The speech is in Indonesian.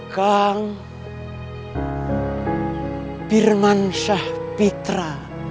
kang pirman syahpitra